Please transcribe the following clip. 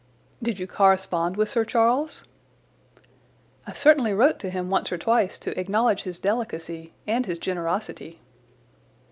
"Did you correspond with Sir Charles?" "I certainly wrote to him once or twice to acknowledge his delicacy and his generosity."